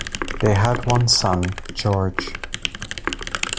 They had one son, Gheorghe.